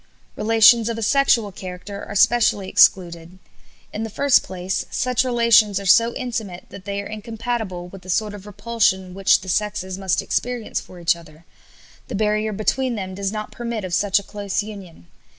Relations of a sexual character are specially excluded. In the first place, such relations are so intimate that they are incompatible with the sort of repulsion which the sexes must experience for each other; the barrier between them does not permit of such a close union.